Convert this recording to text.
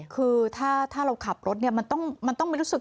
คือถ้าเราขับรถเนี่ยมันต้องมันต้องมีรู้สึก